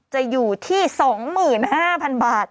จะอยู่ที่๒๕๐๐๐บาท